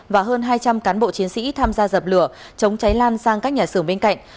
và hơn hai trăm linh cán bộ chiến sĩ tham gia dập lửa chống cháy lan sang các nhà xưởng bên cạnh